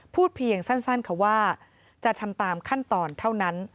พูดเพียงสั้นค่ะว่าจะทำตามขั้นตอนเท่านั้น